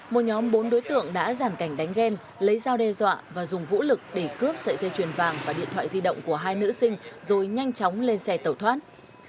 một nhóm bốn đối tượng đã giàn cảnh đánh ghen lấy dao đe dọa và dùng vũ lực để cướp sợi dây chuyền vàng và điện thoại di động của hai nữ sinh rồi nhanh chóng lên xe tẩu thoát